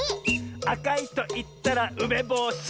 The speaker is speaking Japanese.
「あかいといったらうめぼし！」